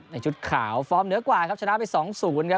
ในชุดขาวฟอร์มเหนือกว่าชนะไป๒ศูนย์